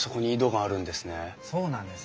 そうなんです。